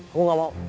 aku gak mau